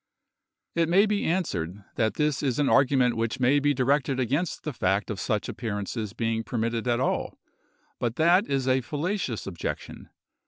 It may be answered, that this is an argument which may be directed against the fact of such appearances being permitted at all; but that is a fallacious objection.